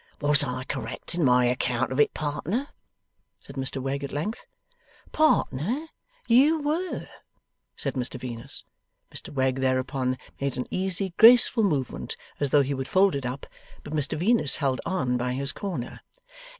'Was I correct in my account of it, partner?' said Mr Wegg at length. 'Partner, you were,' said Mr Venus. Mr Wegg thereupon made an easy, graceful movement, as though he would fold it up; but Mr Venus held on by his corner.